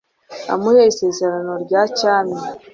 amuha isezerano rya cyami